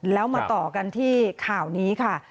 แล้วมาต่อกันที่ข่าวนี้ค่ะ